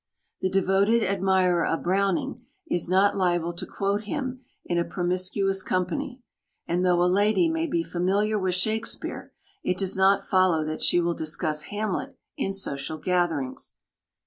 The devoted admirer of Browning is not liable to quote him in a promiscuous company and though a lady may be familiar with Shakespeare, it does not follow that she will discuss Hamlet in social gatherings.